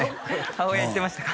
母親言ってましたか？